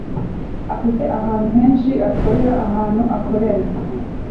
afite ahantu henshi akorera ahantu akorera